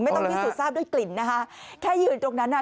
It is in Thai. ไม่ต้องมีสูตรทราบด้วยกลิ่นนะฮะแค่ยืนตรงนั้นฮะ